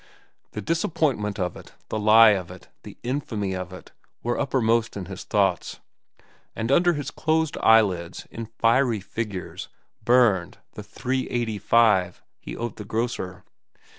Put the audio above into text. The disappointment of it, the lie of it, the infamy of it, were uppermost in his thoughts; and under his closed eyelids, in fiery figures, burned the "$3.85" he owed the grocer.